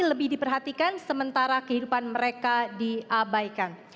lebih diperhatikan sementara kehidupan mereka diabaikan